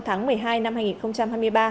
tháng một mươi hai năm hai nghìn hai mươi ba